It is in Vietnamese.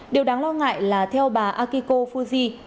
điều đáng lo ngại là theo bà akiko fujimori